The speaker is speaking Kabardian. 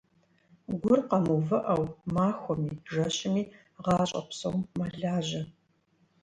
Гур къэмыувыӀэу, махуэми, жэщми, гъащӀэ псом мэлажьэ.